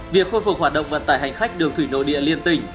việc khôi phục hoạt động vận tải hành khách đường thủy nội địa liên tỉnh